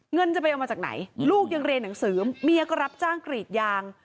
เงินจะไปเอามาจากไหนลูกยังเรียนหนังสือเมียก็รับจ้างกรีดยาง